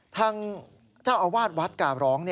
ทางเจ้าอาวาสวัดกาบร้อง